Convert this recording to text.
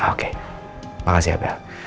oke makasih ya bel